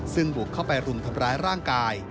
ซึ่งบุกเข้าไปรุมทำร้ายร่างกาย